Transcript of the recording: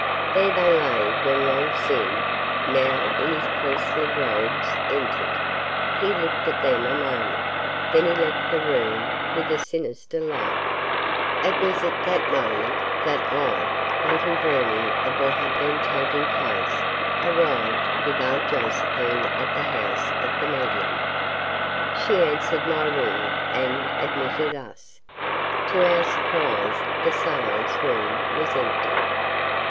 There they lay when Long Sin, now in his priestly robes, entered. He looked at them a moment. Then he left the room with a sinister laugh. ........ It was at that moment that I, little dreaming of what had been taking place, arrived with Aunt Josephine at the house of the medium. She answered my ring and admitted us. To our surprise, the seance room was empty.